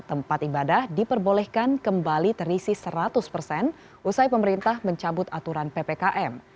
tempat ibadah diperbolehkan kembali terisi seratus persen usai pemerintah mencabut aturan ppkm